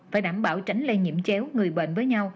phải đảm bảo tránh lây nhiễm chéo người bệnh